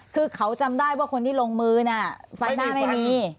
คือเขาจำได้ว่าคนที่ลงมือน่ะฟันหน้าไม่มี